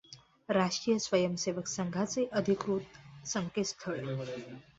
राष्ट्रीय स्वयंसेवक संघाचे अधिकृत संकेतस्थळ